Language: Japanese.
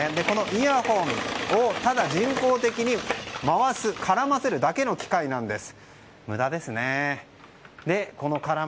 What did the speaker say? イヤホンをただ人工的に回す絡ませるだけの機械なんです。